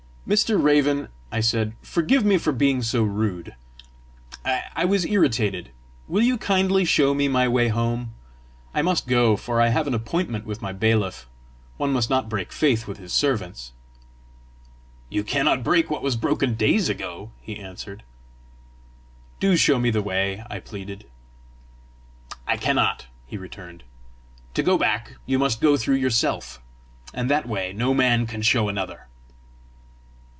"Mr. Raven," I said, "forgive me for being so rude: I was irritated. Will you kindly show me my way home? I must go, for I have an appointment with my bailiff. One must not break faith with his servants!" "You cannot break what was broken days ago!" he answered. "Do show me the way," I pleaded. "I cannot," he returned. "To go back, you must go through yourself, and that way no man can show another."